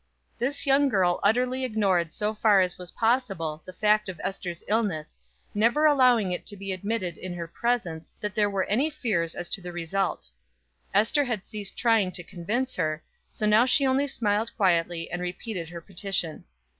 This young girl utterly ignored so far as was possible the fact of Ester's illness, never allowing it to be admitted in her presence that there were any fears as to the result. Ester had ceased trying to convince her, so now she only smiled quietly and repeated her petition.